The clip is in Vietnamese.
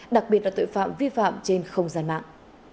đặc biệt là tội phạm vi phạm trên không gian mạng